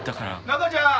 中ちゃん！